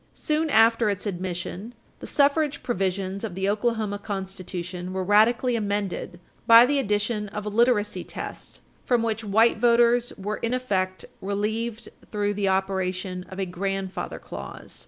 Soon after its admission, the suffrage provisions of the Oklahoma Constitution were radically amended by the addition of a literacy test from which white voters were in effect relieved through the operation of a "grandfather clause."